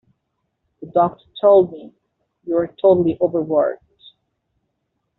The doctor told me: 'You are totally over-worked.